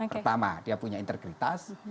pertama dia punya integritas